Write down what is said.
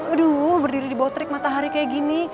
aduh berdiri di botrik matahari kayak gini